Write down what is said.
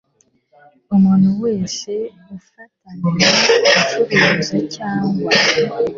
umuntu wese ufatanwa ucuruza cyangwa